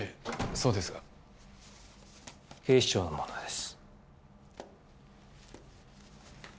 そうですが警視庁の者です